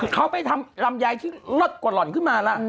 เขาไปทำลำไยที่ลดกว่าหล่อนขึ้นมาแล้ว